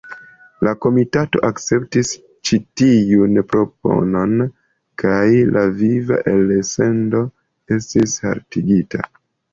La komitato akceptis ĉi tiun proponon kaj la viva elsendo estis haltigita.